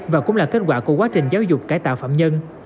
và cũng là kết quả của quá trình giáo dục cải tạo phạm nhân